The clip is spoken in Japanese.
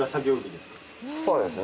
そうですね。